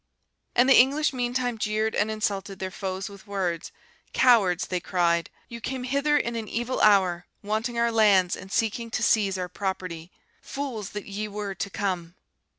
And the English meantime jeered and insulted their foes with words. 'Cowards,' they cried, 'you came hither in an evil hour, wanting our lands, and seeking to seize our property, fools that ye were to come!